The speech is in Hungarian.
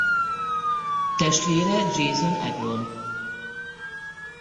Testvére Jason Agron.